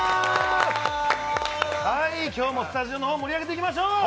今日もスタジオを盛り上げていきましょう。